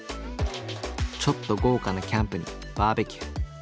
ちょっと豪華なキャンプにバーベキュー。